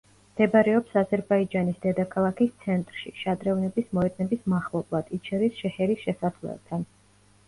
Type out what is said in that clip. მდებარეობს აზერბაიჯანის დედაქალაქის ცენტრში, შადრევნების მოედნების მახლობლად „იჩერი შეჰერის“ შესასვლელთან.